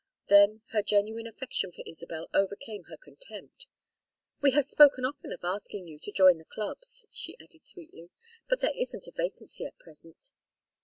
Then her genuine affection for Isabel overcame her contempt. "We have spoken often of asking you to join the clubs," she added, sweetly. "But there isn't a vacancy at present."